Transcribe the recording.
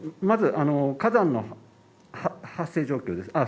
まず火山の発生状況です